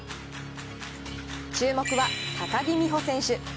注目は、高木美帆選手。